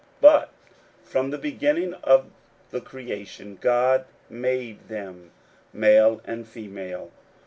41:010:006 But from the beginning of the creation God made them male and female.